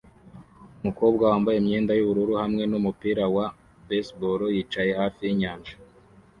Umukobwa wambaye imyenda yubururu hamwe numupira wa baseball yicaye hafi yinyanja